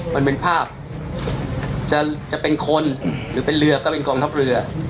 มันเป็นภาพจะเป็นคนหรือเป็นเรือก็เป็นกองทัพเรือ